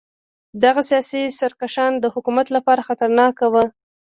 دغه سیاسي سرکښان د حکومت لپاره خطرناک وو.